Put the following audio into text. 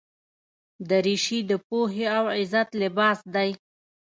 دریشي د پوهې او عزت لباس دی.